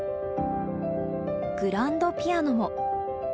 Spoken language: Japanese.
グランドピアノも。